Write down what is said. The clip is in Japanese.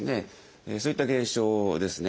そういった現象ですね。